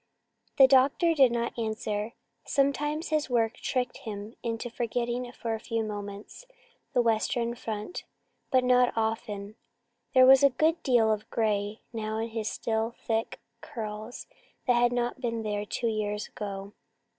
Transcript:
The doctor did not answer. Sometimes his work tricked him into forgetting for a few moments the Western front, but not often. There was a good deal of grey now in his still thick curls that had not been there two years ago.